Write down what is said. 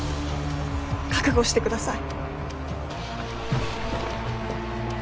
覚悟してください。